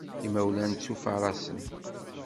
Imawlan ttufaṛasen.